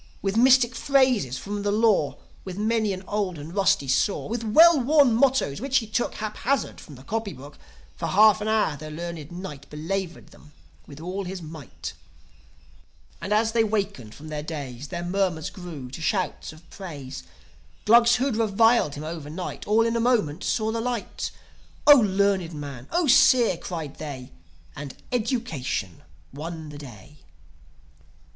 With mystic phrases from the Law, With many an old and rusty saw, With well worn mottoes, which he took Haphazard from the copy book, For half an hour the learned Knight Belaboured them with all his might. And, as they wakened from their daze, Their murmurs grew to shouts of praise. Glugs who'd reviled him overnight All in a moment saw the light. "O learned man! 0 seer!" cried they. ... And education won the day.